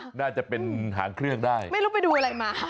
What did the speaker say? รู้สึกนะจะเป็นหาเครื่องได้ไม่รู้ไปดูอะไรมาค่ะ